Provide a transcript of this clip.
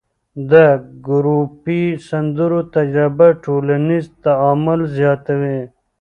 د ګروپي سندرو تجربه ټولنیز تعامل زیاتوي.